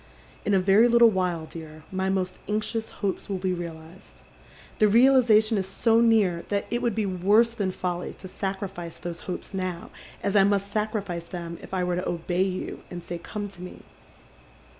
In a very littlo while, dear, my most anxious hopes will be realized. The realization is so near that it would be worse than folly to sacrifice those hopes now, as I must sacrifice them if I were to obey yc, and say come to me.